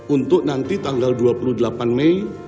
untuk nanti tanggal dua puluh delapan mei